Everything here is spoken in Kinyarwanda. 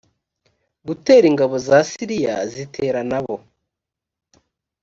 gutera ingabo za siriya zitera nabo